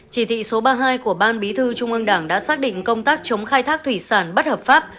chỉ thị số ba mươi hai của ban bí thư trung ương đảng đã xác định công tác chống khai thác thủy sản bất hợp pháp